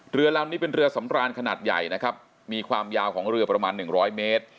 เรือลำนี้เป็นเรือสำรานขนาดใหญ่นะครับมีความยาวของเรือประมาณหนึ่งร้อยเมตร